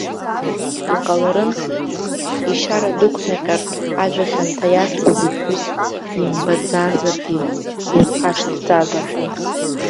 Иҟаларын, ишьара дықәнаҟьартә, ажәа хьанҭа иазҳәаз иԥҳәыс димбаӡазаргьы, дихашҭӡазаргьы.